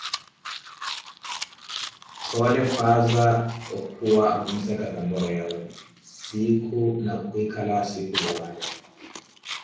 Khoole khwaaza ocuwa ovumisa tampori yawe siikhu na khwikhalawo sinkhu zawaatta.